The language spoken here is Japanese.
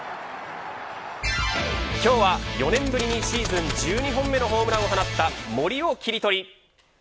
今日は４年ぶりにシーズン中に１２本目のホームランを放った森をキリトリ。